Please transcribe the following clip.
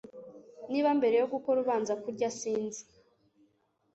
Niba mbere yo gukora ubanza kurya sinzi